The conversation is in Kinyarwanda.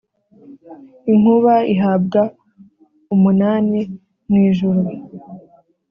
inkuba ihabwa umunani mu ijuru,